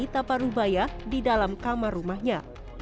sebelumnya korban menemukan seorang wanita yang berada di dalam kamar rumahnya